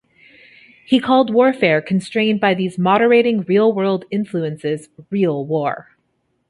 He called warfare constrained by these moderating real-world influences real war.